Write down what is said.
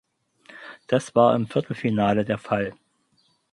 Das war im Viertelfinale der Fall.